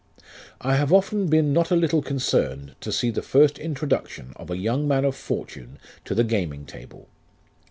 " I have often been not a little concerned to see the first introduction oi a young man of fortune to the gaming table.